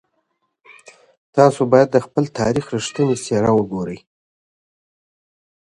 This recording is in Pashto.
تاسو بايد د خپل تاريخ رښتينې څېره وګورئ.